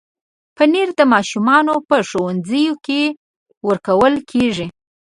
پنېر د ماشومانو په ښوونځیو کې ورکول کېږي.